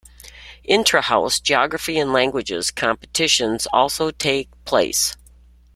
Intra-house Geography and Languages competitions also take place.